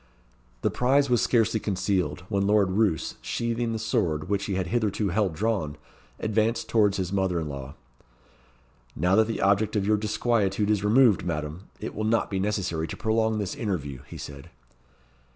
The prize was scarcely concealed when Lord Roos, sheathing the sword which he had hitherto held drawn, advanced towards his mother in law. "Now that the object of your disquietude is removed, Madam, it will not be necessary to prolong this interview," he said.